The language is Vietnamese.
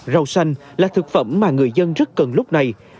rau xanh là thực phẩm mà người dân rất cần lúc này